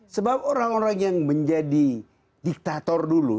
sebab orang orang yang menjadi diktator dulu